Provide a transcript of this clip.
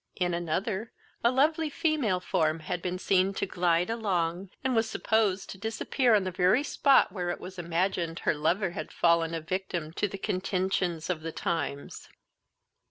In another, a lovely female form had been seen to glide along, and was supposed to disappear on the very spot where it was imagined her lover had fallen a victim to the contentions of the times.